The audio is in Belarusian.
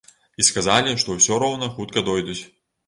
І сказалі, што ўсё роўна хутка дойдуць.